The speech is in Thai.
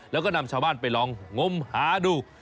แล้วก็นำชาวบ้านไปลองงมหาดู